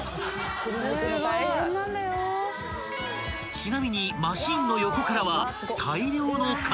［ちなみにマシンの横からは］